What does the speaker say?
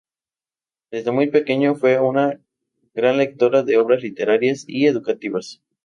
Desde muy pequeña fue una gran lectora de obras literarias y educativas.